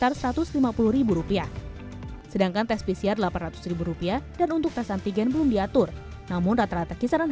rp lima puluh sedangkan tes pcr rp delapan ratus dan untuk tes antigen belum diatur namun rata rata kisaran